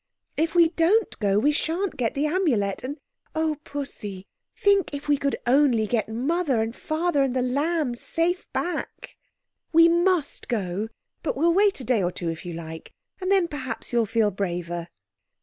If we don't go we shan't get the Amulet, and oh, Pussy, think if we could only get Father and Mother and The Lamb safe back! We must go, but we'll wait a day or two if you like and then perhaps you'll feel braver."